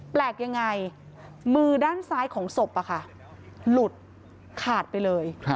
แปลกยังไงมือด้านซ้ายของศพหลุดขาดไปเลย